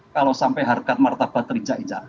kalau sampai harga martabat terinjak injak